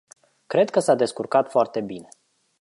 Cred că s-a descurcat foarte bine.